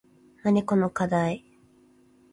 なにこのかだい